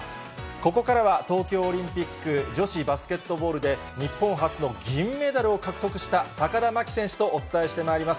ここからは、東京オリンピック女子バスケットボールで、日本初の銀メダルを獲得した高田真希選手とお伝えしてまいります。